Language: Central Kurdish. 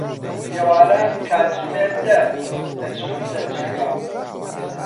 ئێواران، کاتژمێر دە دەچمە سەر جێگا.